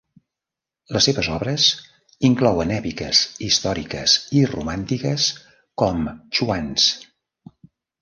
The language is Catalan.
Les seves obres inclouen èpiques històriques i romàntiques com "Chouans!".